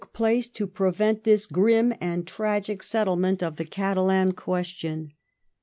141 place to prevent this grim and tragic settlement o| the Catalan question.